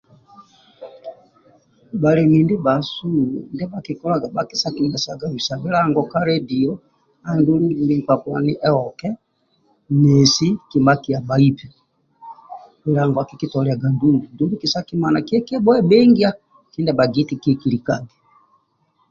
Bhalemi ndibhasu bhakisekimesaga bisa bilango ka ledio andulu buli nkpa poni aoke nesi kima akia bhaibe dumbi kisakimana kiya kibhuebhingia bilango akikitoliaga ndulu dumbi kisakimana kiya kibhuebhingia